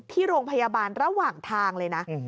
ที่โรงพยาบาลระหว่างทางเลยนะ